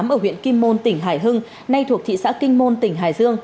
ở huyện kim môn tỉnh hải hưng nay thuộc thị xã kinh môn tỉnh hải dương